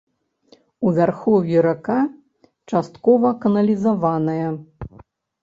У вярхоўі рака часткова каналізаваная.